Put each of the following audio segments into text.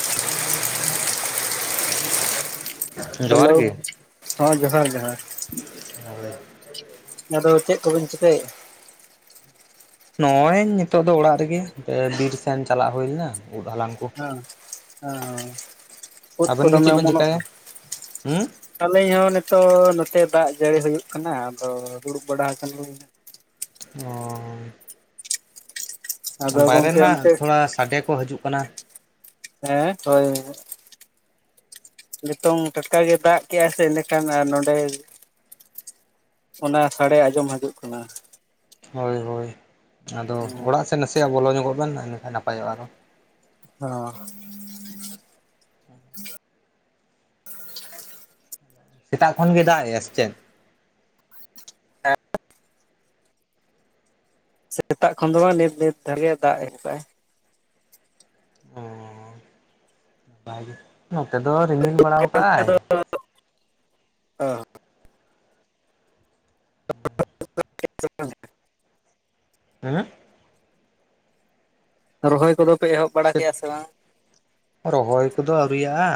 [inaudible] ᱡᱚᱦᱟᱨ ᱦᱮᱞᱳᱣ, ᱜᱮ ᱦᱚᱸ ᱡᱚᱦᱟᱨ ᱡᱚᱦᱟᱨ ᱟᱫᱚ ᱪᱮᱜ ᱠᱚᱵᱤᱱ ᱪᱤᱠᱟᱹᱭᱮᱜ-ᱟ? ᱱᱚᱜ-ᱚᱭ ᱱᱤᱛᱚᱜ ᱫᱚ ᱚᱲᱟᱜ ᱨᱮᱜᱮ ᱮ ᱵᱤᱨ ᱥᱮᱱ ᱪᱟᱞᱟᱜ ᱦᱩᱭ ᱞᱮᱱᱟ᱾ ᱩᱫ ᱦᱟᱞᱟᱝ ᱠᱩ, ᱦᱮᱸ ᱦᱮᱸ ᱩᱫ ᱠᱚ ᱟᱵᱮᱱ ᱜᱮ ᱫᱚᱢᱮ ᱪᱮᱜ ᱵᱮᱱ ᱚᱢᱚᱱᱚᱜ ᱪᱮᱠᱟᱭᱟ? ᱠᱟᱱᱟ ᱩᱸ, ᱟᱹᱞᱤᱧ ᱦᱚᱸ ᱱᱤᱛᱚᱜ ᱱᱚᱛᱮ ᱫᱟᱜᱽ ᱡᱟᱹᱲᱤ ᱦᱩᱭᱩᱜ ᱠᱟᱱᱟ ᱟᱫᱚ ᱫᱩᱲᱩᱵ ᱵᱟᱲᱟ ᱟᱠᱟᱱᱟ ᱞᱤᱧ ᱦᱟᱸᱜ᱾ ᱚᱸᱻ᱾ ᱟᱫᱚ ᱵᱟᱭᱨᱮ ᱜᱚᱝᱠᱮ ᱨᱮᱱᱟᱜ ᱚᱱᱛᱮ ᱛᱷᱚᱲᱟ ᱥᱟᱰᱮ ᱠᱚ ᱦᱟᱹᱡᱩᱜ ᱠᱟᱱᱟ, ᱦᱮᱸ ᱦᱚᱭ ᱦᱮᱸ ᱦᱮᱸᱜ ᱾ ᱱᱤᱛᱚᱝ ᱴᱟᱴᱠᱟ ᱜᱮ ᱫᱟᱜᱽ ᱠᱮᱜ-ᱟᱭ ᱥᱮ ᱤᱱᱟᱹ ᱠᱷᱟᱱ ᱟᱨ ᱱᱚᱸᱰᱮ ᱚᱱᱟ ᱥᱟᱲᱮ ᱟᱸᱡᱚᱢ ᱦᱟᱹᱡᱩᱜ ᱠᱟᱱᱟ᱾ ᱦᱚᱭ ᱦᱚᱭ ᱟᱫᱚ ᱦᱮᱸ ᱚᱲᱟᱜ ᱥᱮᱱ ᱱᱟᱥᱮᱭᱟᱜ ᱵᱚᱞᱚ ᱧᱚᱜᱚᱜ ᱵᱮᱱ ᱤᱱᱟᱹᱠᱷᱟᱱ ᱱᱟᱯᱟᱭᱚᱜ-ᱟ ᱟᱨ ᱦᱚᱸ᱾ ᱚᱸ, ᱦᱮᱸ ᱦᱟᱸᱜ᱾ [inaudible] ᱥᱮᱛᱟᱜ ᱠᱷᱚᱱ ᱜᱮ ᱫᱟᱜᱽ ᱮᱜ-ᱟᱭ ᱥᱮ ᱪᱮᱫ? ᱥᱮᱛᱟᱜ ᱠᱷᱚᱱ ᱫᱚ ᱵᱟᱝ ᱱᱤᱛ ᱱᱤᱛ ᱫᱷᱟᱨ ᱜᱮ ᱫᱟᱜᱽ ᱮᱦᱚᱵ ᱠᱟᱜ-ᱟᱭ᱾ ᱦᱚᱸᱻᱵᱷᱟᱜᱮ ᱱᱚᱛᱮ ᱫᱚ ᱨᱤᱢᱤᱞ ᱵᱟᱲᱟᱣ ᱠᱟᱜ-ᱟᱭ᱾ ᱟᱫᱚ [inaudible] ᱟᱸ ᱨᱚᱦᱚᱭ ᱠᱚᱫᱚ ᱯᱮ ᱮᱦᱚᱵ ᱵᱟᱲᱟ ᱪᱮᱫ ᱠᱮᱜ-ᱟ ᱥᱮ ᱵᱟᱝ? ᱨᱚᱦᱚᱭ ᱠᱚᱫᱚ ᱟᱹᱣᱨᱤᱭᱟᱜ-ᱟ᱾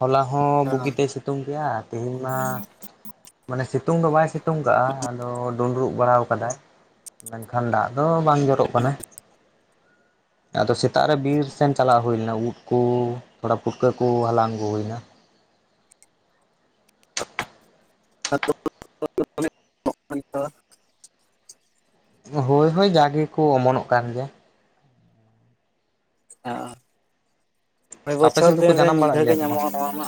ᱦᱚᱞᱟ ᱦᱚᱸ ᱵᱩᱜᱤ ᱦᱮᱸ ᱛᱮᱭ ᱥᱤᱛᱩᱝ ᱠᱮᱜ-ᱟ ᱛᱤᱦᱤᱧ ᱢᱟ, ᱢᱟᱱᱮ ᱥᱤᱛᱩᱝ ᱫᱚ ᱵᱟᱭ ᱥᱤᱛᱩᱝ ᱠᱟᱜ-ᱟ ᱟᱫᱚ ᱰᱩᱸᱰᱨᱩᱵ ᱵᱟᱲᱟᱣ ᱠᱟᱫᱟᱭ ᱢᱮᱱᱠᱷᱟᱱ ᱫᱟᱜᱽ ᱫᱚ ᱵᱟᱝ ᱡᱚᱨᱚᱜ ᱠᱟᱱᱟ᱾ ᱟᱫᱚ ᱥᱮ ᱛᱟᱜ ᱨᱮ ᱵᱤᱨ ᱥᱮᱱ ᱪᱟᱞᱟᱣ ᱦᱩᱭ ᱞᱮᱱᱟ ᱩᱫ ᱠᱚ ᱛᱷᱚᱲᱟ ᱯᱷᱩᱴᱠᱟᱹ ᱠᱩ ᱦᱟᱞᱟᱝ ᱟᱹᱜᱩ ᱦᱩᱭ ᱱᱟ᱾ ᱟᱫᱚ [inaudible] ᱦᱳᱭ ᱦᱳᱭ ᱡᱟᱜᱮ ᱠᱚ ᱚᱢᱚᱱᱚᱜ ᱠᱟᱱ ᱜᱮᱭᱟ᱾ ᱟᱸ ᱳᱭ ᱟᱯᱮ ᱵᱚᱪᱷᱚᱨ ᱥᱮᱫ ᱫᱚᱠᱚ ᱫᱤᱱ ᱨᱮ ᱡᱟᱱᱟᱢ ᱢᱤᱫ ᱫᱷᱟᱹᱣ ᱜᱮ ᱧᱟᱢᱚᱜ-ᱟ ᱱᱚᱣᱟ ᱢᱟ᱾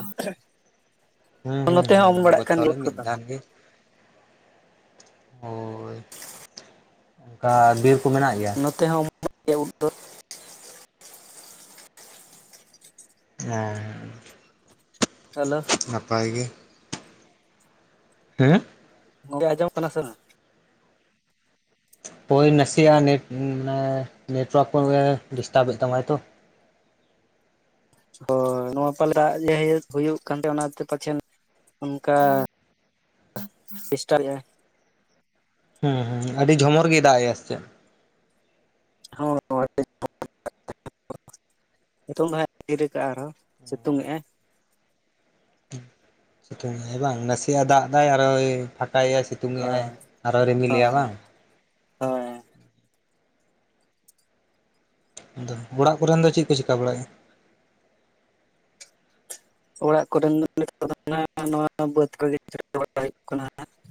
ᱦᱮᱸ ᱦᱮᱸ ᱱᱚᱛᱮ ᱦᱚᱸ ᱚᱢᱚᱱ ᱦᱮᱸ ᱵᱟᱲᱟᱜ ᱠᱟᱱ ᱵᱚᱪᱷᱚᱨ ᱜᱮᱭᱟ ᱨᱮ ᱩᱫ ᱢᱤᱫ ᱠᱚᱫᱚ ᱫᱷᱟᱣ ᱜᱮ᱾ ᱦᱳᱭ ᱚᱝᱠᱟ ᱵᱤᱨ ᱠᱚ ᱢᱮᱱᱟᱜ ᱜᱮᱭᱟ᱾ ᱱᱚᱛᱮ ᱦᱚᱸ ᱚᱢᱚᱱᱚᱜ ᱜᱮᱭᱟ ᱩᱫ ᱫᱚ᱾ ᱦᱮᱸᱻ ᱦᱟᱞᱳ ᱱᱟᱯᱟᱭ ᱜᱮ᱾ ᱩᱸ ᱜᱚᱝᱠᱮ ᱟᱸᱡᱚᱢ ᱠᱟᱱᱟ ᱥᱮ ᱵᱟᱝ? ᱯᱳᱭ ᱱᱟᱥᱤᱭᱟᱜ ᱱᱮᱴ ᱩᱸ ᱢᱟᱱᱮ ᱱᱮᱴᱣᱚᱨᱠ ᱯᱷᱚᱱ ᱨᱮ ᱠᱚᱜᱮ ᱰᱤᱥᱴᱟᱵᱮ ᱛᱟᱢᱟᱭ ᱛᱚ᱾ ᱦᱚᱭ ᱱᱚᱣᱟ ᱯᱟᱞᱮ ᱫᱟᱜᱽ ᱡᱮ ᱦᱤᱡᱩᱜ ᱦᱩᱭᱩᱜ ᱠᱟᱱ ᱛᱮ ᱚᱱᱟᱛᱮ ᱯᱟᱪᱷᱮᱱ ᱚᱱᱠᱟ ᱰᱤᱥᱴᱟᱵᱮᱜ-ᱟᱭ᱾ ᱦᱩᱸ ᱦᱩᱸ ᱦᱩᱸ ᱟᱰᱤ ᱡᱷᱚᱢᱚᱨ ᱜᱮ ᱫᱟᱜᱽ ᱮᱜ-ᱟᱭ ᱥᱮ ᱪᱮᱜ? ᱦᱚᱭ ᱦᱳᱭ ᱟᱹᱰᱤ ᱡᱷᱚᱱᱚᱨ ᱜᱮ ᱫᱟᱜᱽ ᱠᱮᱫᱟᱭ᱾ [inaudible] ᱱᱤᱛᱩᱝ ᱫᱚᱦᱟᱸᱜ ᱛᱷᱤᱨ ᱠᱟᱜ-ᱟ ᱟᱨ ᱦᱚᱸ ᱥᱤᱛᱩᱝᱮᱜᱼᱟᱭ᱾ ᱥᱤᱛᱩᱝᱟᱭ ᱵᱟᱝ ᱱᱟᱥᱤᱭᱟᱜ ᱫᱟᱜᱽ ᱫᱟᱭ ᱟᱨ ᱦᱚᱸᱭ ᱯᱷᱟᱸᱠᱟ ᱭᱟᱭ ᱥᱤ ᱛᱩᱝᱮᱜ-ᱟᱭ ᱦᱳᱭ ᱟᱨ ᱦᱚᱸ ᱨᱤᱢᱤᱞᱮᱜ-ᱟ ᱦᱳᱭ ᱵᱟᱝ᱾ ᱦᱳᱭ ᱟᱫᱚ ᱚᱲᱟᱜ ᱠᱚᱨᱮᱱ ᱫᱚ ᱪᱤᱜ ᱠᱚ ᱪᱤᱠᱟ ᱵᱟᱲᱟᱭᱮᱜ-ᱟ? ᱚᱲᱟᱜ ᱠᱚᱨᱮᱱ [inaudible] [inaudible]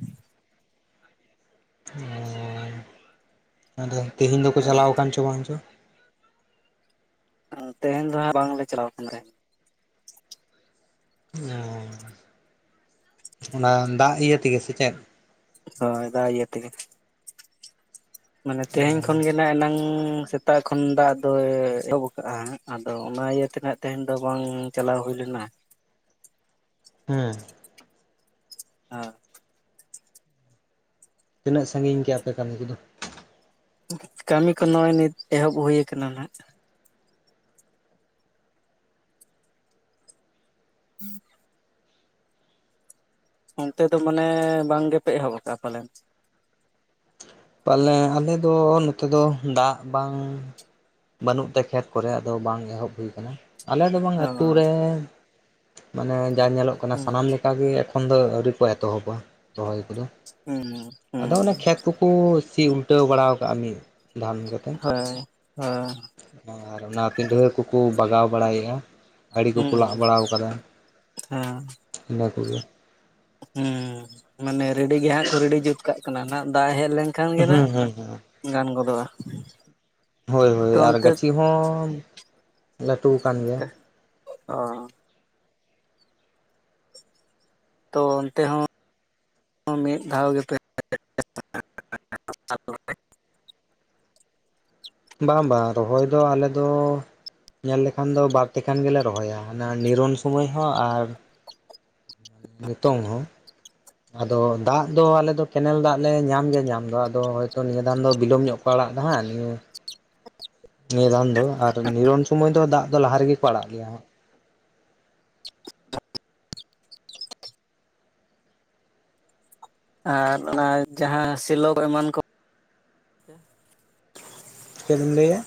ᱚᱸ ᱟᱫᱚ ᱛᱮᱦᱮᱧ ᱫᱚᱠᱚ ᱪᱟᱞᱟᱣ ᱟᱠᱟᱱ ᱪᱚ ᱵᱟᱝ ᱪᱚ? ᱛᱮᱦᱮᱧ ᱫᱚ ᱦᱟᱸᱜ ᱵᱟᱝᱞᱮ ᱪᱟᱞᱟᱣ ᱠᱟᱱ ᱛᱟᱸᱦᱮᱱ᱾ [unintelligible] ᱚᱱᱟ ᱫᱟᱜ ᱤᱭᱟᱹ ᱛᱮᱜᱮ ᱥᱮ ᱪᱮᱫ? ᱦᱳᱭ ᱫᱟᱜ ᱤᱭᱟᱹ ᱛᱮᱜᱮ᱾ ᱢᱟᱱᱮ ᱛᱮᱦᱮᱧ ᱠᱷᱚᱱ ᱜᱮ ᱱᱟᱜ ᱮᱱᱟᱝ ᱥᱮ ᱛᱟᱜ ᱠᱷᱚᱱ ᱫᱟᱜ ᱫᱚᱭ ᱮᱦᱚᱵ ᱠᱟᱜ-ᱟ ᱦᱟᱸᱜ ᱟᱫᱚ ᱚᱱᱟ ᱤᱭᱟᱹᱛᱮ ᱱᱟᱦᱟᱜ ᱛᱮᱦᱮᱧ ᱫᱚ ᱵᱟᱝ ᱪᱟᱞᱟᱣ ᱦᱩᱭ ᱞᱮᱱᱟ᱾ ᱦᱮᱸ᱾ ᱟ ᱛᱤᱱᱟᱹᱜ ᱥᱟᱺᱜᱤᱧ ᱠᱮᱜ-ᱟ ᱯᱮ ᱠᱟᱹᱢᱤ ᱠᱚ ᱫᱚ? ᱠᱟᱹᱢᱤ ᱠᱚ ᱱᱚᱜ-ᱚᱭ ᱱᱤᱛ ᱮᱦᱚᱵ ᱦᱩᱭ ᱠᱟᱱᱟ ᱱᱟᱜ᱾ [inaudible] ᱚᱱᱛᱮ ᱫᱚ ᱢᱟᱱᱮ ᱵᱟᱝ ᱜᱮ ᱯᱮ ᱮᱦᱚᱵ ᱠᱟᱜ-ᱟ ᱯᱟᱞᱮᱱ? ᱯᱟᱞᱮ ᱟᱞᱮ ᱫᱚ ᱱᱚᱛᱮ ᱫᱚ ᱫᱟᱜ ᱵᱟᱝ ᱵᱟᱹᱱᱩᱜ ᱛᱮ ᱠᱷᱮᱛ ᱠᱚᱨᱮ ᱟᱫᱚ ᱵᱟᱝ ᱮᱦᱚᱵ ᱦᱩᱭ ᱠᱟᱱᱟ᱾ ᱟᱞᱮ ᱫᱚ ᱵᱟᱝ ᱟᱹᱛᱩ ᱚ ᱨᱮ ᱢᱟᱱᱮ ᱡᱟ ᱧᱮᱞᱚᱜ ᱠᱟᱱᱟ ᱦᱩᱸ ᱥᱟᱱᱟᱢ ᱞᱮ ᱠᱟ ᱜᱮ ᱮᱠᱷᱚᱱ ᱫᱚ ᱟᱹᱣᱨᱤ ᱠᱚ ᱮᱛᱚᱦᱚᱵᱟ ᱨᱚᱦᱚᱭ ᱠᱚᱫᱚ ᱦᱩᱸ ᱟᱫᱚ ᱦᱩᱸ ᱚᱱᱮ ᱠᱷᱮᱛ ᱠᱩ ᱥᱤ ᱩᱞᱴᱟᱹᱣ ᱵᱟᱲᱟᱣ ᱠᱟᱜ [unintelligible] ᱦᱳᱭ ᱦᱳᱭ᱾ ᱟᱨ ᱚᱱᱟ ᱯᱤᱸᱰᱷᱨᱟᱹ ᱠᱚ ᱠᱩ ᱵᱟᱜᱟᱣ ᱵᱟᱲᱟᱭᱮᱜ-ᱟ, ᱟᱹᱲᱤ ᱦᱩᱸ ᱠᱚᱠᱚ ᱞᱟᱜ ᱵᱟᱲᱟᱣ ᱠᱟᱫᱟ ᱦᱮᱸ ᱤᱱᱟᱹ ᱠᱚᱜᱮ᱾ ᱦᱩᱸ ᱢᱟᱱᱮ ᱨᱮᱰᱤ ᱜᱮ ᱦᱟᱸᱜ ᱠᱚ ᱨᱮᱰᱤ ᱡᱩᱛ ᱠᱟᱜ ᱠᱟᱱᱟ ᱱᱟᱜ ᱫᱟᱜ ᱦᱮᱡ ᱞᱮᱱ ᱠᱷᱟᱱ ᱜᱮ ᱱᱟᱜ ᱦᱩᱸ ᱦᱩᱸ ᱦᱩᱸ ᱜᱟᱱ ᱜᱚᱫᱚᱜ-ᱟ᱾ ᱦᱳᱭ ᱦᱳᱭ ᱟᱨ ᱜᱟᱹᱪᱷᱤ ᱦᱚᱸ ᱞᱟᱹᱴᱩ ᱠᱟᱱ ᱜᱮᱭᱟ᱾ ᱚ᱾ ᱛᱚ ᱚᱱᱛᱮ ᱦᱚᱸ ᱢᱤᱫ ᱫᱷᱟᱣ ᱜᱮᱯᱮ? ᱵᱟᱝ ᱵᱟᱝ ᱨᱚᱦᱚᱭ ᱫᱚ ᱟᱞᱮ ᱫᱚ ᱧᱮᱞ ᱞᱮᱠᱷᱟᱱ ᱫᱚ ᱵᱟᱨ ᱛᱮᱠᱷᱟᱱ ᱜᱮᱞᱮ ᱨᱚᱦᱚᱭᱟ ᱚᱱᱟ ᱱᱤᱨᱚᱱ ᱥᱩᱢᱟᱹᱭ ᱦᱚᱸ ᱟᱨ ᱱᱤᱛᱳᱝ ᱦᱚᱸ᱾ ᱟᱫᱚ ᱫᱟᱜ ᱫᱚ ᱟᱞᱮ ᱫᱚ ᱠᱮᱱᱮᱞ ᱫᱟᱜ ᱞᱮ ᱧᱟᱢ ᱜᱮᱭᱟ ᱧᱟᱢ ᱫᱚ ᱟᱫᱚ ᱦᱚᱭᱛᱚ ᱱᱤᱭᱟᱹ ᱫᱟᱢ ᱫᱚ ᱵᱤᱞᱚᱢ ᱧᱚᱜ ᱠᱟ ᱠᱚ ᱟᱲᱟᱜ ᱫᱟ ᱦᱟᱸᱜ ᱱᱤᱭᱟᱹ ᱱᱤᱭᱟᱹ ᱫᱟᱱ ᱫᱚ ᱟᱨ ᱱᱤᱨᱚᱱ ᱥᱩᱢᱟᱹᱭ ᱫᱚ ᱫᱟᱜ ᱫᱚ ᱞᱟᱦᱟ ᱨᱮᱜᱮ ᱠᱚ ᱟᱲᱟᱜ ᱜᱮᱭᱟ ᱦᱟᱸᱜ᱾ ᱟᱨ ᱚᱱᱟ ᱡᱟᱦᱟᱸ ᱥᱮᱞᱳ ᱮᱢᱟᱱ ᱠᱚ ᱪᱮᱫ ᱵᱤᱱ ᱞᱟᱹᱭᱟ?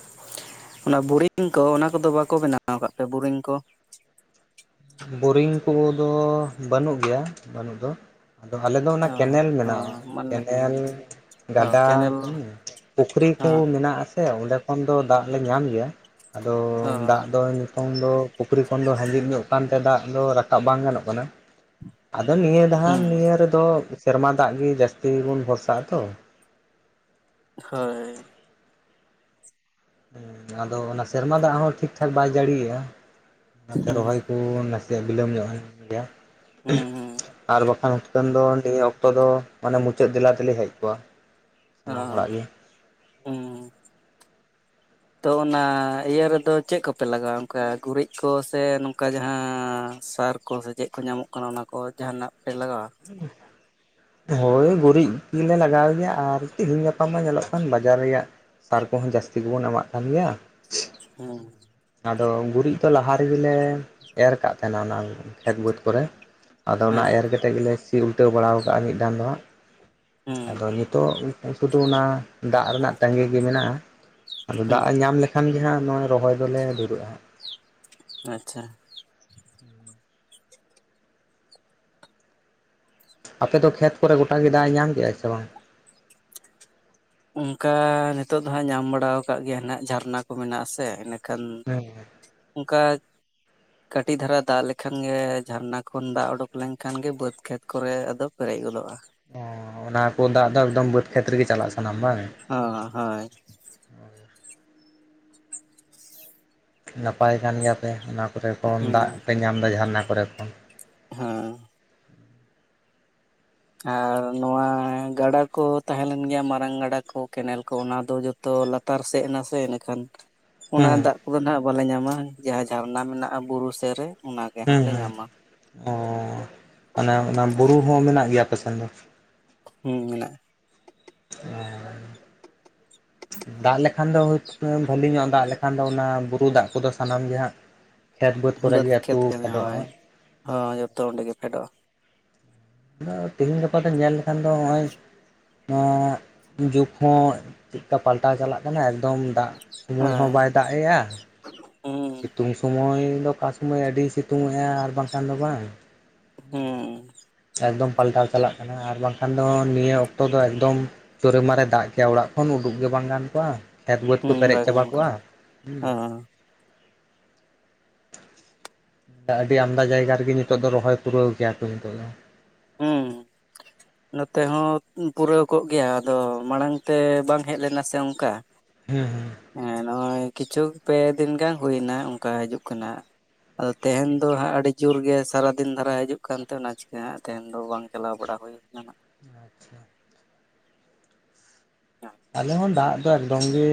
ᱚᱱᱟ ᱵᱚᱨᱤᱝ ᱠᱚ ᱚᱱᱟ ᱠᱚᱫᱚ ᱵᱟᱠᱚ ᱵᱮᱱᱟᱣ ᱠᱟᱜ ᱯᱮᱭᱟ ᱵᱚᱨᱤᱝ ᱠᱚ? ᱵᱚᱨᱤᱝ ᱠᱚ ᱫᱚ ᱵᱟᱹᱱᱩᱜ ᱜᱮᱭᱟ ᱵᱟᱹᱱᱩᱜ ᱫᱚ᱾ ᱟᱫᱚ ᱟᱞᱮ ᱫᱚ ᱚᱱᱟ ᱚ ᱠᱮᱱᱮᱞ ᱚ ᱢᱮᱱᱟᱜ-ᱟ ᱢᱟᱱᱮ ᱠᱮᱱᱮᱞ ᱚ ᱜᱟᱰᱟ ᱠᱮᱱᱮᱞ ᱦᱩᱸ ᱯᱩᱠᱷᱨᱤ ᱠᱚ ᱚ ᱢᱤᱱᱟᱜ-ᱟ ᱥᱮ ᱥᱮ ᱚᱸᱰᱮ ᱠᱷᱚᱱ ᱫᱚ ᱫᱟᱜ ᱞᱮ ᱧᱟᱢ ᱜᱮᱭᱟ ᱟᱫᱚ ᱚ ᱫᱟᱜ ᱫᱚ ᱠᱷᱚᱱ ᱫᱚ ᱯᱩᱠᱷᱨᱤ ᱠᱷᱚᱱ ᱫᱚ [unintelligible] ᱧᱚᱜ ᱠᱟᱱᱛᱮ ᱫᱟᱜ ᱫᱚ ᱨᱟᱠᱟᱵ ᱵᱟᱝ ᱜᱟᱱᱚᱜ ᱠᱟᱱᱟ, ᱟᱫᱚ ᱱᱤᱭᱟᱹ ᱫᱷᱟᱱ ᱦᱩᱸ ᱱᱤᱭᱟᱹ ᱨᱮᱫᱚ ᱥᱮᱨᱢᱟ ᱫᱟᱜ ᱜᱮ ᱡᱟᱹᱥᱛᱤ ᱵᱚᱱ ᱵᱷᱚᱨᱥᱟᱜ ᱟᱛᱚ᱾ ᱦᱳᱭ᱾ ᱦᱩᱸ ᱟᱫᱚ ᱚᱱᱟ ᱥᱮᱨᱢᱟ ᱫᱟᱜ ᱦᱚᱸ ᱴᱷᱤᱠ ᱴᱷᱟᱠ ᱵᱟᱭ ᱡᱟᱹᱲᱤᱭᱮᱜ-ᱟ ᱦᱩᱸ ᱚᱱᱟᱛᱮ ᱨᱚᱦᱚᱭ ᱠᱩ ᱱᱟᱥᱮ ᱵᱤᱞᱚᱢ ᱧᱚᱜ ᱮᱱ ᱜᱮᱭᱟ ᱦᱩᱸ ᱦᱩᱸ ᱟᱨ ᱵᱟᱠᱷᱟᱱ ᱠᱟᱹᱱ ᱫᱚᱱ ᱱᱤᱭᱟᱹ ᱚᱠᱛᱚ ᱫᱚ ᱢᱟᱱᱮ ᱢᱩᱪᱟᱹᱫ ᱫᱮᱞᱟ ᱫᱤᱞᱤ ᱦᱮᱡ ᱠᱚᱼᱟ᱾ ᱦᱚᱸ ᱦᱩᱸ᱾ ᱛᱚ ᱚᱱᱟ ᱤᱭᱟᱹ ᱨᱮᱫᱚ ᱪᱮᱜ ᱠᱚᱯᱮ ᱞᱟᱜᱟᱣᱟ ᱚᱝᱠᱟ ᱜᱩᱨᱤᱡ ᱠᱚ ᱥᱮ ᱱᱚᱝᱠᱟ ᱡᱟᱦᱟᱸ ᱥᱟᱨ ᱠᱚ ᱥᱮ ᱪᱮᱜ ᱠᱚ ᱧᱟᱢᱚᱜ ᱠᱟᱱᱟ ᱚᱱᱟ ᱠᱚ ᱡᱟᱦᱟᱱᱟᱜ ᱯᱮ ᱞᱟᱜᱟᱣᱟ? [unintelligible] ᱦᱳᱭ ᱜᱩᱨᱤᱡ ᱜᱮᱞᱮ ᱞᱟᱜᱟᱣ ᱜᱮᱭᱟ ᱟᱨ ᱛᱮᱦᱮᱧ ᱜᱟᱯᱟ ᱢᱟ ᱧᱮᱞᱚᱜ ᱠᱟᱱ ᱵᱟᱡᱟᱨ ᱨᱮᱭᱟᱜ ᱥᱟᱨ ᱠᱚᱦᱚᱸ ᱡᱟᱹᱥᱛᱤ ᱜᱮ ᱵᱚᱱ ᱮᱢᱟᱜ ᱠᱟᱱ ᱜᱮᱭᱟ᱾ ᱦᱩᱸ᱾ ᱟᱫᱚ ᱜᱩᱨᱤᱡ ᱛᱚ ᱞᱟᱦᱟ ᱨᱮᱜᱮ ᱞᱮ ᱮᱨ ᱠᱟᱜ ᱛᱟᱦᱮᱱᱟ ᱚᱱᱟ ᱠᱷᱮᱛ ᱵᱟᱹᱫᱽ ᱠᱚᱨᱮ᱾ ᱟᱫᱚ ᱚᱱᱟ ᱦᱮᱸ ᱮᱨ ᱠᱮᱛᱮᱜ ᱜᱮᱞᱮ ᱥᱤ ᱩᱞᱴᱟᱹᱣ ᱵᱟᱲᱟᱣ ᱟᱠᱟᱜᱼᱟ ᱢᱤᱜ ᱫᱟᱱ ᱦᱟᱸᱜ, ᱦᱩᱸ ᱟᱫᱚ ᱱᱤᱛᱳᱜ ᱥᱩᱫᱩ ᱚᱱᱟ ᱫᱟᱜ ᱨᱮᱱᱟᱜ ᱛᱟᱸᱜᱤ ᱜᱮ ᱢᱮᱱᱟᱜᱼᱟ, ᱟᱫᱚ ᱦᱩᱸ ᱫᱟᱜ ᱮ ᱧᱟᱢ ᱞᱮᱠᱷᱟᱱ ᱜᱮ ᱦᱟᱸᱜ ᱱᱚᱣᱟ ᱨᱚᱦᱚᱭ ᱫᱚᱞᱮ ᱫᱷᱨᱟᱹᱜᱼᱟ ᱦᱟᱸᱜ᱾ ᱟᱸᱪᱷᱟ᱾ ᱟᱯᱮ ᱫᱚ ᱠᱷᱮᱛ ᱠᱚᱨᱮ ᱜᱚᱴᱟ ᱜᱮ ᱫᱟᱜ ᱮ ᱧᱟᱢ ᱠᱮᱼᱟᱭ ᱥᱮ ᱵᱟᱝ? ᱩᱝᱠᱟ ᱱᱤᱛᱚᱜ ᱫᱚ ᱦᱟᱸᱜ ᱧᱟᱢ ᱵᱟᱲᱟᱣ ᱠᱟᱜ ᱜᱮᱭᱟ ᱱᱟᱜ ᱡᱷᱟᱨᱱᱟ ᱠᱚ ᱢᱮᱱᱟᱜ ᱟᱥᱮ ᱤᱱᱟ ᱠᱷᱟᱱ ᱩᱝᱠᱟ ᱠᱟᱹᱴᱤᱡ ᱫᱷᱟᱨᱟ ᱫᱟᱜ ᱞᱮᱠᱷᱟᱱ ᱜᱮ ᱡᱷᱟᱨᱱᱟ ᱠᱷᱚᱱ ᱫᱟᱜ ᱚᱰᱳᱠ ᱞᱮᱱᱠᱷᱟᱱ ᱜᱮ ᱵᱟᱹᱫᱽ ᱠᱷᱮᱛ ᱠᱚᱨᱮ ᱟᱫᱚ ᱯᱮᱨᱮᱡ ᱜᱚᱫᱚᱜᱼᱟ᱾ ᱚᱸᱻ ᱚᱱᱟ ᱠᱳ ᱫᱟᱜ ᱫᱚ ᱮᱠᱫᱚᱢ ᱵᱟᱹᱫᱽ ᱠᱷᱮᱛ ᱨᱮᱜᱮ ᱪᱟᱞᱟᱜ ᱥᱟᱱᱟᱢ ᱵᱟᱝ? ᱦᱚᱸ ᱦᱳᱭ᱾ [unintelligible] ᱱᱟᱯᱟᱭ ᱠᱟᱱ ᱜᱮᱭᱟ ᱯᱮ ᱚᱱᱟ ᱠᱚᱨᱮ ᱠᱷᱚᱱ ᱫᱟᱜ ᱯᱮ ᱧᱟᱢ ᱫᱟ ᱡᱷᱟᱨᱱᱟ ᱠᱚᱨᱮ ᱠᱷᱚᱱ᱾ ᱦᱚᱸ᱾ ᱟᱨ ᱱᱚᱣᱟ ᱜᱟᱰᱟ ᱠᱚ ᱛᱟᱦᱮᱸ ᱞᱮᱱ ᱜᱮᱭᱟ ᱢᱟᱨᱟᱝ ᱜᱟᱰᱟ ᱠᱚ ᱠᱮᱱᱮᱞ ᱠᱚ ᱚᱱᱟ ᱫᱚ ᱡᱚ ᱛᱚ ᱞᱟᱛᱟᱨ ᱥᱮᱜ ᱱᱟ ᱥᱮᱱ ᱱᱮᱠᱷᱟᱱ᱾ ᱚᱱᱟ ᱦᱮᱸ ᱫᱟᱜ ᱠᱚᱫᱚ ᱱᱟᱜ ᱵᱟᱞᱮ ᱧᱟᱢᱟ, ᱡᱟᱦᱟᱸ ᱡᱷᱟᱨᱱᱟ ᱢᱮᱱᱟᱜᱼᱟ ᱵᱩᱨᱩ ᱥᱮ ᱨᱮ ᱚᱱᱟ᱾ ᱦᱮᱸ ᱦᱮᱸ ᱚᱸᱻ ᱟᱱᱟ ᱚᱱᱟ ᱦᱮᱸ ᱵᱩᱨᱩ ᱦᱚᱸ ᱢᱮᱱᱟᱜ ᱜᱮᱭᱟ ᱟᱯᱮ ᱥᱮᱱ ᱫᱚ? ᱦᱩᱸ ᱢᱮᱱᱟᱜᱼᱟ᱾ [unintelligible] ᱫᱟᱜ ᱞᱮᱠᱷᱟᱱ ᱫᱚ ᱦᱳᱭᱛ ᱮᱸ ᱵᱷᱟᱹᱞᱤ ᱧᱚᱜ ᱫᱟᱜ ᱞᱮᱠᱷᱟᱱ ᱫᱚ ᱚᱱᱟ ᱵᱩᱨᱩ ᱫᱟᱜ ᱠᱚᱫᱚ ᱥᱟᱱᱟᱢ ᱜᱮ ᱦᱟᱸᱜ ᱠᱷᱮᱛ ᱵᱟᱹᱫᱽ ᱠᱚᱨᱮ ᱜᱮ ᱟᱹᱛᱩ ᱯᱷᱮᱰᱚᱜᱼᱟ ᱦᱟᱸᱜ᱾ ᱦᱚᱸ ᱡᱚᱛᱚ ᱚᱸᱰᱮ ᱜᱮ ᱯᱷᱮᱰᱚᱜᱼᱟ᱾ ᱫᱟ ᱛᱮᱦᱮᱧ ᱜᱟᱯᱟ ᱫᱚ ᱧᱮᱞ ᱞᱮᱠᱷᱟᱱ ᱫᱚ ᱦᱚᱸᱼᱚᱭ ᱱᱚᱸᱜ ᱡᱚᱸᱠᱷᱚᱡ ᱪᱤᱜ ᱠᱟᱯ ᱯᱟᱞᱴᱟᱣ ᱪᱟᱞᱟᱜ ᱠᱟᱱᱟ ᱮᱠᱫᱚᱢ ᱫᱟᱜ ᱥᱩᱢᱩᱭ ᱦᱚᱸ ᱦᱳᱭ ᱵᱟᱭ ᱫᱟᱜ ᱮᱼᱟ᱾ ᱦᱩᱸ ᱥᱤᱛᱩᱝ ᱥᱩᱢᱚᱭ ᱫᱚ ᱠᱟ ᱥᱩᱢᱚᱭ ᱟᱹᱰᱤᱭ ᱥᱤᱛᱩᱝ ᱮᱼᱟ ᱟᱨ ᱵᱟᱝ ᱠᱷᱟᱱ ᱫᱚ ᱵᱟᱝ᱾ ᱦᱩᱸ ᱦᱮᱸ ᱮᱠᱫᱚᱢ ᱯᱟᱞᱴᱟᱣ ᱪᱟᱞᱟᱜ ᱠᱟᱱᱟ ᱟᱨ ᱵᱟᱝ ᱠᱷᱟᱱ ᱫᱚ ᱱᱤᱭᱟᱹ ᱚᱠᱛᱚ ᱫᱚ ᱮᱠᱫᱚᱢ ᱪᱳᱨᱮ ᱢᱟᱨᱮ ᱫᱟᱜ ᱠᱮᱼᱟ ᱚᱲᱟᱜ ᱠᱷᱚᱱ ᱩᱰᱩᱠ ᱜᱮ ᱵᱟᱝ ᱜᱟᱱ ᱠᱚᱼᱟ, ᱠᱷᱮᱛ ᱵᱟᱹᱫᱽ ᱠᱚ ᱦᱩᱸ ᱯᱮᱨᱮᱡ ᱵᱟᱝ ᱪᱟᱵᱟ ᱦᱚᱸ ᱠᱚᱜᱼᱟ᱾ [inaudible] ᱟᱹᱰᱤ ᱟᱢᱫᱟ ᱡᱟᱭᱜᱟ ᱨᱮᱜᱮ ᱱᱤᱛᱚᱜ ᱫᱚ ᱨᱚᱦᱚᱭ ᱯᱩᱨᱟᱹᱣ ᱠᱮᱭᱟ ᱠᱚ ᱱᱤᱛᱚᱜ ᱫᱚ᱾ ᱦᱩᱸ᱾ ᱱᱚᱛᱮ ᱦᱚᱸ ᱩᱸ-ᱯᱩᱨᱟᱹᱣ ᱠᱚᱜ ᱜᱮᱭᱟ ᱟᱫᱚ ᱢᱟᱲᱟᱝ ᱛᱮ ᱵᱟᱝ ᱦᱮᱡ ᱞᱮᱱᱟ ᱥᱮ ᱚᱝᱠᱟ᱾ ᱦᱩᱸ-ᱦᱩᱸ᱾ ᱮᱸ ᱱᱚᱼᱚᱭ ᱠᱤᱪᱷᱩ ᱯᱮ ᱫᱤᱱ ᱜᱟᱱ ᱦᱩᱭ ᱱᱟ ᱚᱝᱠᱟ ᱦᱤᱡᱩᱜ ᱠᱟᱱᱟ᱾ ᱟᱫᱚ ᱛᱮᱦᱮᱱ ᱫᱚ ᱦᱟᱸᱜ ᱟᱹᱰᱤ ᱡᱩᱨ ᱜᱮ ᱥᱟᱨᱟ ᱫᱤᱱ ᱫᱷᱟᱨᱟ ᱦᱤᱡᱩᱜ ᱠᱟᱱ ᱛᱮ ᱚᱱᱟ ᱪᱤᱠᱟᱹ ᱦᱟᱸᱜ ᱛᱮᱦᱮᱱ ᱫᱚ ᱵᱟᱝ ᱪᱟᱞᱟᱣ ᱵᱟᱲᱟ ᱦᱳᱭ ᱟᱠᱟᱱᱟ ᱱᱟᱜ ᱾ [inaudible] [inaudible] ᱟᱞᱮ ᱦᱚᱸ ᱫᱟᱜ ᱫᱚ ᱮᱠᱫᱚᱢ ᱜᱮ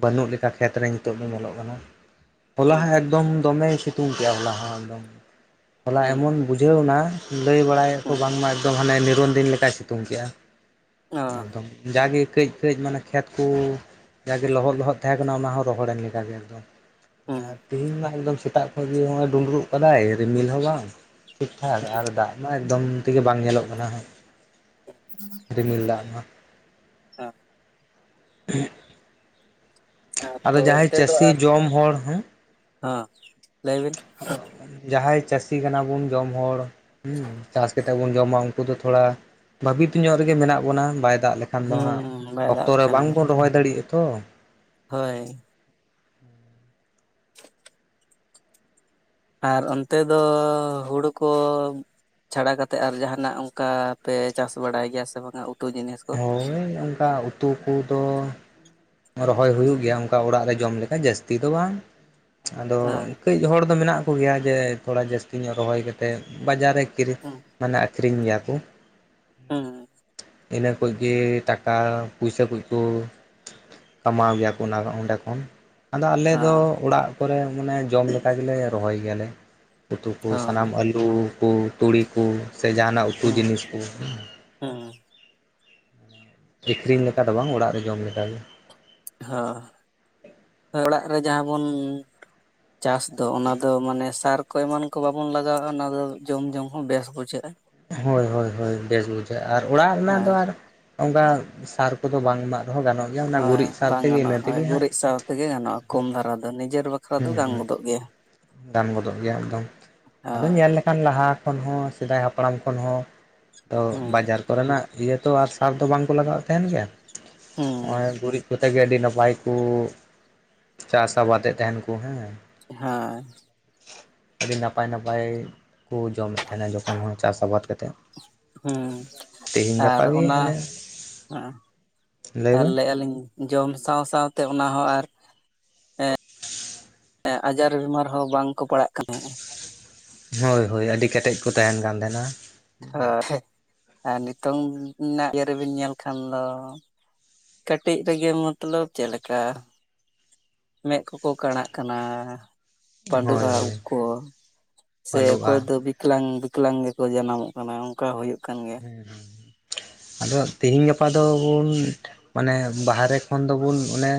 ᱵᱟᱹᱱᱩᱜ ᱞᱮᱠᱟ ᱠᱷᱮᱛ ᱨᱮ ᱱᱤᱛᱚᱜ ᱫᱚ ᱧᱮᱞᱚᱜ ᱠᱟᱱᱟ᱾ ᱦᱚᱞᱟ ᱦᱩᱸ ᱦᱚᱸ ᱮᱠᱫᱚᱢ ᱫᱚᱢᱮᱭ ᱥᱤᱛᱩᱝ ᱠᱮᱜᱼᱟ ᱦᱚᱞᱟ ᱦᱚᱸ ᱮᱠᱫᱚᱢ, ᱦᱚᱞᱟ ᱦᱩᱸ ᱮᱢᱚᱱ ᱵᱩᱡᱷᱟᱹᱣᱱᱟ ᱞᱟᱹᱭ ᱵᱟᱲᱟᱭ ᱟᱠᱚ ᱦᱩᱸ ᱵᱟᱝᱢᱟ ᱮᱠᱫᱚᱢ ᱦᱟᱱᱮ ᱱᱤᱨᱚᱱ ᱫᱤᱱ ᱞᱮᱠᱟᱭ ᱥᱤᱛᱩᱝ ᱠᱮᱜᱼᱟ, ᱚ ᱮᱠᱫᱚᱢ ᱾ ᱡᱟ ᱜᱮ ᱠᱟᱹᱡ ᱠᱟᱹᱡ ᱢᱟᱱᱮ ᱠᱷᱮᱛ ᱠᱳ ᱡᱟᱜᱮ ᱞᱚᱦᱚᱫ ᱞᱚᱦᱚᱫ ᱛᱟᱦᱮᱸ ᱠᱟᱱᱟ ᱚᱱᱟ ᱦᱚᱸ ᱨᱚᱦᱚᱲ ᱮᱱ ᱞᱮᱠᱟ ᱜᱮ ᱮᱠᱫᱚᱢ᱾ ᱦᱩᱸ ᱟᱨ ᱛᱮᱦᱤᱧ ᱢᱟ ᱮᱠᱫᱚᱢ ᱥᱮᱛᱟᱜ ᱠᱷᱚᱡ ᱦᱚᱜᱼᱚᱭ ᱰᱩᱸᱰᱨᱩᱜ ᱠᱟᱫᱟᱭ ᱨᱤᱢᱤᱞ ᱦᱚᱸ ᱵᱟᱝ ᱴᱷᱤᱠ ᱴᱷᱟᱠ ᱟᱨ ᱫᱟᱜ ᱢᱟ ᱮᱠᱫᱚᱢ ᱛᱮᱜᱮ ᱵᱟᱝ ᱧᱮᱞᱚᱜ ᱠᱟᱱᱟ ᱦᱟᱸᱜ ᱾ [inaudible] ᱨᱤᱢᱤᱞ ᱫᱟᱜ ᱢᱟ ᱾ [inaudible] ᱦᱮᱸ ᱟᱫᱚ ᱛᱚ ᱡᱟᱦᱟᱸᱭ ᱚᱱᱛᱮ ᱫᱚ ᱪᱟᱹᱥᱤ ᱟᱨ ᱡᱚᱢ ᱦᱚᱲ ᱦᱮᱸ ᱦᱟᱸ ᱞᱟᱹᱭ ᱵᱤᱱ ᱾ ᱟᱫᱚ ᱡᱟᱦᱟᱸᱭ ᱪᱟᱹᱥᱤ ᱠᱟᱱᱟ ᱵᱚᱱ ᱡᱚᱢ ᱦᱚᱲ ᱦᱩᱸ ᱪᱟᱥ ᱠᱟᱛᱮᱫ ᱵᱚᱱ ᱡᱚᱢᱟ ᱚᱝ ᱠᱩ ᱫᱚ ᱛᱷᱚᱲᱟ ᱵᱷᱟᱵᱤᱛ ᱧᱚᱜ ᱨᱮᱜᱮ ᱢᱮᱱᱟᱜ ᱵᱚᱱᱟ ᱵᱟᱭ ᱫᱟᱜ ᱞᱮ ᱠᱷᱟᱱ ᱫᱚ ᱦᱟᱸᱜ ᱦᱩᱸ ᱵᱟᱭ ᱫᱟᱜ ᱚᱠᱛᱚ ᱨᱮ ᱞᱮᱠᱷᱟᱱ ᱵᱟᱝ ᱵᱚᱱ ᱨᱚᱦᱚᱭ ᱫᱟᱲᱮᱭᱟᱜᱼᱟ ᱛᱚ ᱾ ᱦᱳᱭ ᱾ ᱟᱨ ᱚᱱᱛᱮ ᱫᱚ ᱦᱩᱲᱩ ᱠᱚ ᱪᱷᱟᱲᱟ ᱠᱟᱛᱮᱜ ᱟᱨ ᱡᱟᱦᱟᱱᱟᱜ ᱚᱝᱠᱟ ᱯᱮ ᱪᱟᱥ ᱵᱟᱲᱟᱭ ᱜᱮᱭᱟ ᱥᱮ ᱵᱟᱝᱟ ᱩᱛᱩ ᱡᱤᱱᱤᱥ? ᱠᱚ ᱦᱳᱭ ᱚᱝᱠᱟ ᱩᱛᱩ ᱠᱩᱫᱚ ᱨᱚᱦᱚᱭ ᱦᱩᱭᱩᱜ ᱜᱮᱭᱟ ᱚᱝᱠᱟ ᱚᱲᱟᱜ ᱨᱮ ᱡᱚᱢ ᱞᱮ ᱞᱮᱠᱟ ᱡᱟᱹᱥᱛᱤ ᱫᱚ ᱵᱟᱝ, ᱟᱫᱚ ᱦᱮᱸ ᱠᱟᱹᱡ ᱦᱚᱲ ᱫᱚ ᱢᱮᱱᱟᱜ ᱠᱚᱜᱮᱭᱟ ᱡᱮ ᱛᱷᱚᱲᱟ ᱡᱟᱹᱥᱛᱤ ᱧᱚᱜ ᱨᱚᱦᱚᱭ ᱠᱟᱛᱮᱫ ᱵᱟᱡᱟᱨ ᱨᱮ ᱠᱤᱨᱤᱧ ᱦᱩᱸ ᱢᱟᱱᱮ ᱟᱹᱠᱷᱨᱤᱧ ᱜᱮᱭᱟ ᱠᱚ ᱾ ᱦᱮᱸ ᱾ ᱤᱱᱟᱹ ᱠᱩᱡᱜᱮ ᱴᱟᱠᱟ ᱯᱩᱭᱥᱟᱹ ᱠᱩᱡᱠᱩ ᱠᱟᱢᱟᱣ ᱜᱮᱭᱟ ᱠᱚ ᱚᱱᱟ ᱚᱸᱰᱮ ᱠᱷᱚᱱ ᱾ ᱟᱫᱚ ᱟᱞᱮ ᱫᱚ ᱦᱮᱸ ᱚᱲᱟᱜ ᱠᱚᱨᱮ ᱢᱟᱱᱮ ᱡᱚᱢ ᱞᱮᱠᱟ ᱜᱮᱞᱮ ᱨᱚᱦᱚᱭ ᱜᱮᱭᱟᱞᱮ ᱩᱛᱩ ᱠᱚ ᱦᱚᱸ ᱥᱟᱱᱟᱢ ᱟ ᱞᱩ ᱠᱚ ᱛᱩᱲᱤ ᱠᱚ ᱥᱮ ᱡᱟᱦᱟᱱᱟᱜ ᱩᱛᱩ ᱦᱩᱸ, ᱡᱤᱱᱤᱥ ᱠᱚ ᱦᱩᱸ ᱾ ᱟᱹᱠᱷᱨᱤᱧ ᱞᱮᱠᱟ ᱫᱚ ᱵᱟᱝ ᱚᱲᱟᱜ ᱨᱮ ᱡᱚᱢ ᱞᱮᱠᱟᱜᱮ ᱾ ᱦᱟᱸ, ᱚᱲᱟᱜ ᱨᱮ ᱡᱟᱦᱟᱸ ᱵᱚᱱ ᱪᱟᱥ ᱫᱚ ᱚᱱᱟ ᱫᱚ ᱢᱟᱱᱮ ᱥᱟᱨ ᱠᱚ ᱮᱢᱟᱱ ᱠᱚ ᱵᱟᱵᱚᱱ ᱞᱟᱜᱟᱣᱼᱟ ᱚᱱᱟ ᱫᱚ ᱡᱚᱢ ᱡᱚᱢ ᱦᱚᱸ ᱵᱮᱥ ᱵᱩᱡᱷᱟᱹᱜᱼᱟ ᱾ ᱦᱳᱭ ᱦᱳᱭ ᱦᱳᱭ ᱵᱮᱥ ᱵᱩᱡᱷᱟᱹᱜᱼᱟ ᱟᱨ ᱚᱲᱟᱜ ᱨᱮᱱᱟᱜ ᱫᱚ ᱦᱮᱸ ᱟᱨ ᱚᱝᱠᱟ ᱥᱟᱨ ᱠᱚᱫᱚ ᱵᱟᱝ ᱮᱢᱟᱜ ᱨᱮᱦᱚᱸ ᱜᱟᱱᱚᱜ ᱜᱮᱭᱟ ᱚᱱᱟ ᱦᱳᱭ ᱜᱩᱨᱤᱡ ᱥᱟᱨ ᱵᱟᱝ ᱛᱮᱜᱮ ᱤᱱᱟᱹ ᱜᱟᱱᱚᱜᱼᱟ ᱦᱳᱭ ᱛᱮᱜᱮ ᱦᱟᱸᱜ ᱜᱩᱨᱤᱡ ᱥᱟᱶ ᱛᱮᱜᱮ ᱜᱟᱱᱚᱜᱼᱟ ᱠᱚᱢ ᱫᱷᱟᱨᱟ ᱫᱚ ᱱᱤᱡᱮᱨ ᱵᱟᱠᱷᱨᱟ ᱫᱚ ᱦᱩᱸ ᱜᱟᱱ ᱦᱩᱸ ᱜᱚᱫᱚᱜ ᱜᱮᱭᱟ ᱾ ᱜᱟᱱ ᱜᱚᱫᱚᱜ ᱜᱮᱭᱟ ᱮᱠᱫᱚᱢ, ᱟᱫᱚ ᱦᱳᱭ ᱧᱮᱞ ᱞᱮ ᱠᱷᱟᱱ ᱞᱟᱦᱟ ᱠᱷᱚᱱ ᱦᱚᱸ ᱥᱮᱫᱟᱭ ᱦᱟᱯᱲᱟᱢ ᱠᱷᱚᱱ ᱦᱚᱸ ᱛᱚ ᱦᱩᱸ ᱵᱟᱡᱟᱨ ᱠᱚᱨᱮᱱᱟᱜ ᱤᱭᱟᱹ ᱛᱚ ᱟᱨ ᱥᱟᱨ ᱫᱚ ᱵᱟᱝ ᱠᱚ ᱞᱟᱜᱟᱣᱮᱫ ᱛᱟᱦᱮᱱ ᱜᱮᱭᱟ ᱦᱩᱸ ᱦᱚᱜᱼᱚᱭ ᱜᱩᱨᱤᱡ ᱛᱮ ᱜᱮ ᱟᱹᱰᱤ ᱱᱟᱯᱟᱭ ᱠᱩ ᱪᱟᱥ ᱟᱵᱟᱫᱮᱫ ᱛᱟᱦᱮᱱ ᱠᱚ ᱦᱮᱸ ᱾ ᱦᱮᱸ ᱾ ᱟᱹᱰᱤ ᱱᱟᱯᱟᱭ ᱱᱟᱯᱟᱭ ᱠᱚ ᱡᱚᱢᱮᱫ ᱛᱟᱦᱮᱱᱟ ᱡᱚᱠᱷᱚᱱ ᱦᱚᱸ ᱪᱟᱥ ᱟᱵᱟᱫ ᱠᱟᱛᱮᱫ ᱾ ᱦᱩᱸ ᱟᱨ ᱜᱮ ᱚᱱᱟ ᱚᱱᱮ ᱦᱮᱸ ᱞᱟᱹᱭ ᱟᱨ ᱢᱮ ᱞᱟᱹᱭᱮᱫ ᱟᱞᱤᱧ ᱡᱚᱢ ᱥᱟᱶ ᱥᱟᱶᱛᱮ ᱚᱱᱟ ᱦᱚᱸ ᱟᱨ ᱦᱮᱸ ᱟᱡᱟᱨ ᱵᱤᱢᱟᱨ ᱦᱚᱸ ᱵᱟᱝᱠᱚ ᱯᱟᱲᱟᱜ ᱠᱟᱱᱮ ᱾ ᱦᱳᱭ ᱦᱳᱭ ᱟᱹᱰᱤ ᱠᱮᱴᱮᱡ ᱠᱚ ᱛᱟᱦᱮᱱ ᱠᱟᱱ ᱛᱷᱮᱱᱟ ᱾ ᱚ ᱦᱳᱭ ᱟᱨ ᱱᱤᱛᱚᱝᱱᱟᱜ ᱤᱭᱟᱹ ᱨᱮᱵᱤᱱ ᱧᱮᱞ ᱠᱷᱟᱱ ᱫᱚ ᱾ ᱠᱟᱹᱴᱤᱡ ᱨᱮᱜᱮ ᱢᱚᱛᱞᱚᱵ ᱪᱮᱜ ᱞᱮᱠᱟ? ᱢᱮᱫ ᱠᱚᱠᱚ ᱠᱟᱲᱟᱜ ᱠᱟᱱᱟ ᱾ ᱦᱳᱭ ᱯᱟᱸᱰᱩᱜᱼᱟ ᱩᱵ ᱦᱳᱭ ᱠᱚ ᱥᱮ ᱚᱠᱚᱭ ᱯᱟᱺᱰᱩᱜᱼᱟ ᱫᱚᱵᱤ ᱤᱠᱞᱟᱝ ᱵᱤᱠᱞᱟᱝ ᱜᱮᱠᱚ ᱡᱟᱱᱟᱢᱚᱜ ᱠᱟᱱᱟ ᱚᱝᱠᱟ ᱦᱩᱭᱩᱜ ᱠᱟᱱ ᱜᱮ ᱾ ᱦᱩᱸ ᱦᱩᱸ [inaudible] ᱟᱫᱚ ᱛᱮᱦᱤᱧ ᱜᱟᱯᱟ ᱫᱚᱵᱚᱱ ᱢᱟᱱᱮ ᱵᱟᱦᱮᱨᱮ ᱠᱷᱚᱱ ᱫᱚᱵᱚᱱ ᱚᱱᱮ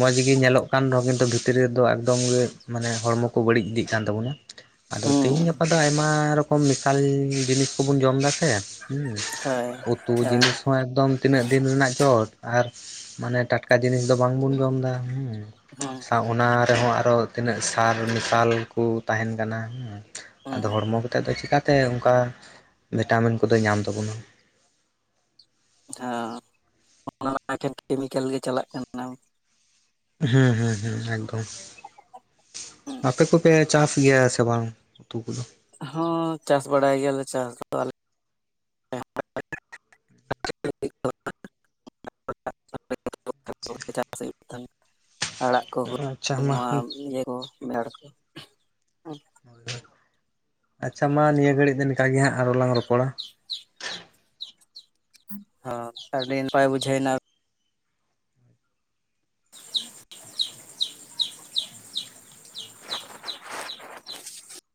ᱢᱚᱸᱡᱽ ᱜᱤ ᱧᱮᱞᱚᱜ ᱠᱟᱱ ᱫᱚ ᱠᱤᱱᱛᱩ ᱵᱷᱤᱛᱨᱤ ᱨᱮᱫᱚ ᱮᱠᱫᱚᱢ ᱜᱮ ᱢᱟᱱᱮ ᱦᱚᱲᱢᱚ ᱠᱚ ᱵᱟᱹᱲᱤᱡ ᱤᱫᱤᱜ ᱠᱟᱱ ᱛᱟᱵᱚᱱᱟ ᱾ ᱟᱫᱚ ᱛᱤᱦᱤᱧ ᱦᱩᱸ ᱜᱟᱯᱟ ᱫᱚ ᱟᱭᱢᱟ ᱨᱚᱠᱚᱢ ᱢᱮᱥᱟᱞ ᱡᱤᱱᱤᱥ ᱠᱚᱵᱚᱱ ᱡᱚᱢ ᱫᱟᱥᱮ ᱦᱩᱸ ᱦᱳᱭ ᱾ ᱩᱛᱩ ᱦᱳᱭ ᱡᱤᱱᱤᱥ ᱦᱚᱸ ᱮᱠᱫᱚᱢ ᱛᱤᱱᱟᱹᱜ ᱫᱤᱱ ᱨᱮᱱᱟᱜ ᱪᱚ ᱟᱨ ᱢᱟᱱᱮ ᱴᱟᱴᱠᱟ ᱡᱤᱱᱤᱥ ᱫᱚ ᱵᱟᱝᱵᱚᱱ ᱡᱚᱢ ᱫᱟ ᱦᱩᱸ ᱦᱩᱸ ᱾ ᱥᱟᱶ ᱚᱱᱟ ᱨᱮᱦᱚᱸ ᱟᱨᱚ ᱛᱤᱱᱟᱹᱜ ᱥᱟᱨ ᱢᱮᱥᱟᱞ ᱠᱩ ᱛᱟᱦᱮᱱ ᱠᱟᱱᱟ ᱦᱩᱸ ᱾ ᱦᱩᱸ ᱟᱫᱚ ᱦᱚᱲᱢᱚ ᱠᱚᱛᱮᱫ ᱫᱚ ᱪᱤᱠᱟᱛᱮ ᱚᱝᱠᱟ ᱵᱷᱤᱴᱟᱢᱤᱱ ᱠᱚᱫᱚ ᱧᱟᱢ ᱛᱟᱵᱚᱱᱟ ᱾ ᱦᱚᱸ ᱚᱱᱟ ᱮᱠᱷᱮᱱ ᱠᱮᱢᱤᱠᱮᱞ ᱜᱮ ᱪᱟᱞᱟᱜ ᱠᱟᱱᱟ ᱾ ᱦᱮᱸ ᱦᱮᱸ ᱦᱮᱸ ᱮᱠᱫᱚᱢ ᱾ ᱟᱯᱮ ᱠᱚᱯᱮ ᱪᱟᱥ ᱜᱮᱭᱟ ᱥᱮ ᱵᱟᱝ ᱩᱛᱩ ᱠᱚᱫᱚ? ᱦᱚᱸ ᱪᱟᱥ ᱵᱟᱲᱟᱭ ᱜᱮᱭᱟᱞᱮ ᱪᱟᱥ ᱫᱚ ᱟᱞᱮ [inaudible] [inaudible] [inaudible] ᱟᱲᱟᱜ ᱠᱚᱠᱚ ᱟᱪᱪᱷᱟ ᱢᱟ [inaudible] ᱤᱭᱟᱹ ᱠᱚ ᱵᱷᱮᱲ ᱠᱚ ᱾ [inaudible] ᱟᱪᱪᱷᱟ ᱢᱟ ᱱᱤᱭᱟᱹ ᱜᱷᱟᱹᱲᱤᱡ ᱫᱚ ᱱᱤᱝᱠᱟ ᱜᱮ ᱦᱟᱸᱜ ᱟᱨᱚ ᱞᱟᱝ ᱨᱚᱯᱚᱲᱟ ᱾ ᱦᱚᱸ ᱟᱹᱰᱤ ᱱᱟᱯᱟᱭ ᱵᱩᱡᱷᱟᱹᱣᱱᱟ ᱾